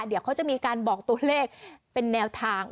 เดี๋ยวเขาจะมีการบอกตัวเลขเป็นแนวทาง